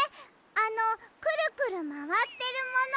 あのクルクルまわってるもの。